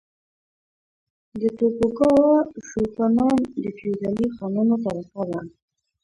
د توکوګاوا شوګانان د فیوډالي خانانو طبقه وه.